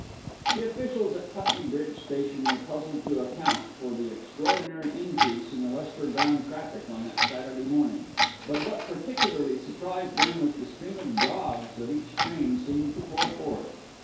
The officials at Putney Bridge station were puzzled to account for the extraordinary increase in the westward bound traffic on that Saturday morning; but what particularly surprised them was the stream of dogs that each train seemed to pour forth.